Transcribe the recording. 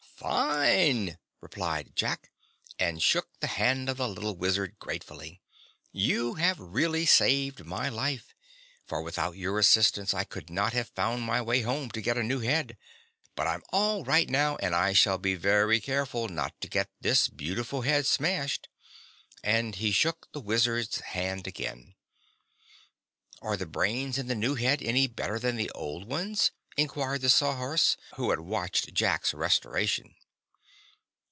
"Fine!" replied Jack, and shook the hand of the little Wizard gratefully. "You have really saved my life, for without your assistance I could not have found my way home to get a new head. But I'm all right, now, and I shall be very careful not to get this beautiful head smashed." And he shook the Wizard's hand again. "Are the brains in the new head any better than the old ones?" inquired the Sawhorse, who had watched Jack's restoration.